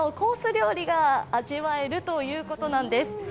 料理が味わえるということなんです。